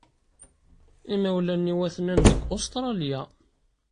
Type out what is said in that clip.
Imawlan-iw aten-an deg Ustṛalya.